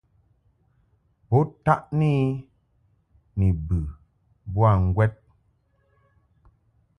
Bo taʼni I ni bə boa ŋgwɛd.